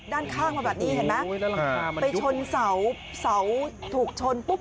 ด้านข้างมาแบบนี้เห็นไหมไปชนเสาถูกชนปุ๊บ